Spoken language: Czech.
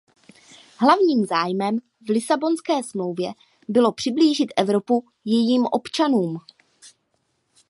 Hlavním zájmem v Lisabonské smlouvě bylo přiblížit Evropu jejím občanům.